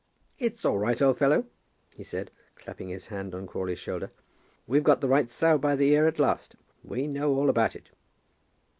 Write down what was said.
"It's all right, old fellow," he said, clapping his hand on Crawley's shoulder. "We've got the right sow by the ear at last. We know all about it."